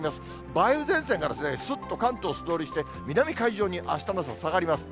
梅雨前線がすっと関東を素通りして、南海上にあしたの朝、下がります。